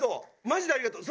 マジでありがとう。